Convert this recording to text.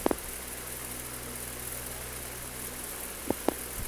ku ntebe y’ubutware bw’ingabo.